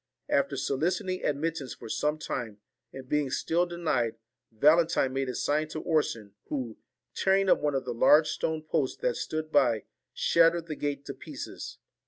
After soliciting admit tance for some time, and being still denied, Valen tine made a sign to Orson, who, tearing up one of the large stone posts that stood by, shattered the gate to pieces.